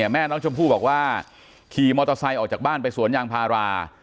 แม่น้องชมพู่บอกว่าขี่มอเตอร์ไซค์ออกจากบ้านไปสวนยางพารา